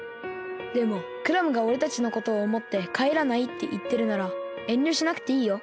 でもクラムがおれたちのことをおもってかえらないっていってるならえんりょしなくていいよ。